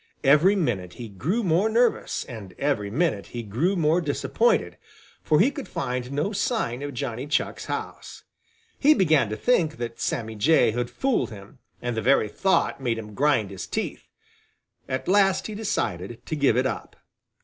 Every minute he grew more nervous, and every minute he grew more disappointed, for he could find no sign of Johnny Chuck's house. He began to think that Sammy Jay had fooled him, and the very thought made him grind his teeth. At last he decided to give it up.